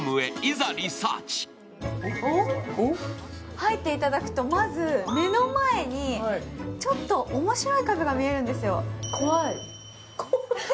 入っていただくとまず目の前に面白い家具が見えるんですよ。